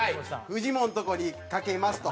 フジモンのとこにかけますと。